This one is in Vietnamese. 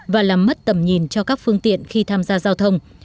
và làm mất tầm nhìn cho các phương tiện khi tham gia giao thông